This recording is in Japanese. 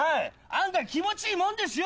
案外気持ちいいもんですよ